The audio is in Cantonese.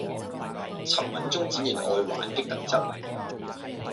沉穩中展現愛玩的特質